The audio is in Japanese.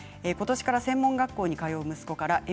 ことしから専門学校に通う息子から。